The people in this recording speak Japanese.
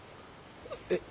えっ？